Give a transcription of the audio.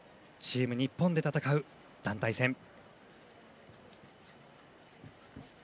チーム日本で戦う団体戦。